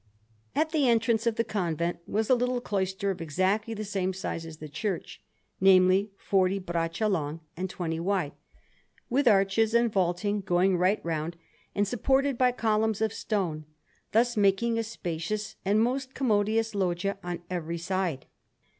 At the entrance of the convent was a little cloister of exactly the same size as the church namely, forty braccia long and twenty wide with arches and vaulting going right round and supported by columns of stone, thus making a spacious and most commodious loggia on every side.